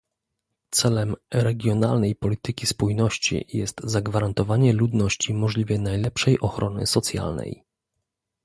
Celem regionalnej polityki spójności jest zagwarantowanie ludności możliwie najlepszej ochrony socjalnej